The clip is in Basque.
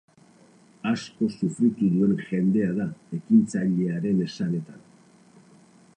Asko sufritu duen jendea da, ekintzailearen esanetan.